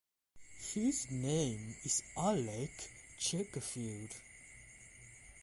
His name is Alec Checkerfield.